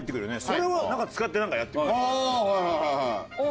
それを使ってなんかやってみるとか？